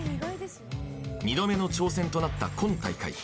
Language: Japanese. ２度目の挑戦となった今大会。